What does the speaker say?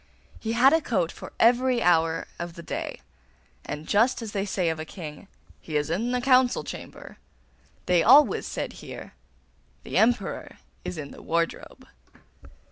He had a coat for every hour of the day; and just as they say of a king, 'He is in the council chamber,' they always said here, 'The Emperor is in the wardrobe.